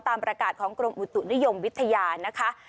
ตามประกาศของกรมอุตุนิยมวิทยานะคะ